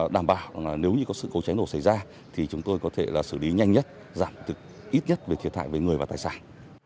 đảm bảo nếu có sự cố chánh đổ xảy ra thì chúng tôi có thể xử lý nhanh nhất giảm ít nhất thiệt hại về người và tài sản